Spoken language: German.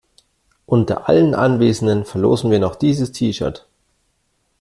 Unter allen Anwesenden verlosen wir noch dieses T-Shirt.